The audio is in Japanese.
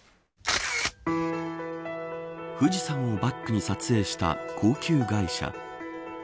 富士山をバックに撮影した高級外車。